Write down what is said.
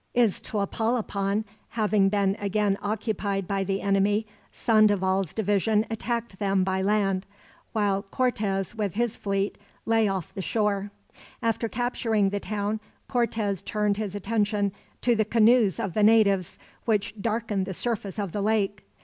Iztapalapan having been again occupied by the enemy, Sandoval's division attacked them by land; while Cortez, with his fleet, lay off the shore. After capturing the town, Cortez turned his attention to the canoes of the natives, which darkened the surface of the lake.